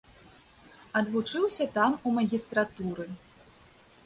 Адвучыўся там у магістратуры.